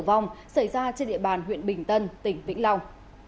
tử vong xảy ra trên địa bàn huyện bình tân tỉnh vĩnh long